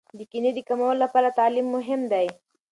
د کینې د کمولو لپاره تعلیم مهم دی.